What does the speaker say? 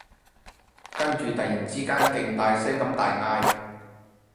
跟住突然之間勁大聲咁大嗌